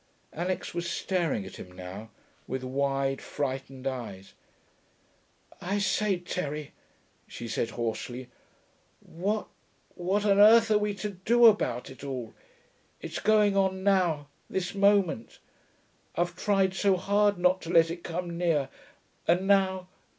Alix was staring at him now with wide, frightened eyes. 'I say, Terry,' she said hoarsely, 'what what on earth are we to do about it all? It it's going on now this moment.... I've tried so hard not to let it come near ... and now